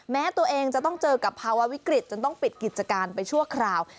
แม้ตัวเองจะต้องเจอกับภาวะวิกฤตจนต้องปิดกิจการไปชั่วคราว